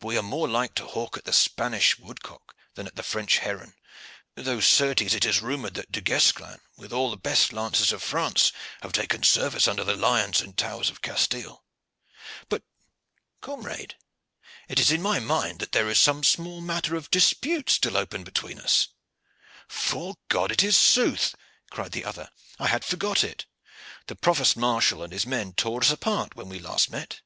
But we are more like to hawk at the Spanish woodcock than at the French heron, though certes it is rumored that Du Guesclin with all the best lances of France have taken service under the lions and towers of Castile. But, comrade, it is in my mind that there is some small matter of dispute still open between us." "'Fore God, it is sooth!" cried the other; "I had forgot it. The provost marshal and his men tore us apart when last we met."